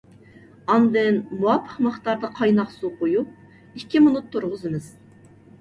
ئاندىن مۇۋاپىق مىقداردا قايناق سۇ قۇيۇپ، ئىككى مىنۇت تۇرغۇزىمىز.